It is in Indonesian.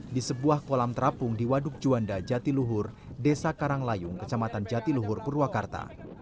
di sebuah kolam terapung di waduk juanda jatiluhur desa karanglayung kecamatan jatiluhur purwakarta